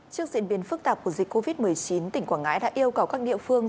trước diễn biến phức tạp của dịch covid một mươi chín tỉnh quảng ngãi đã yêu cầu các địa phương